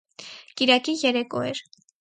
Կիրակի երեկո էր: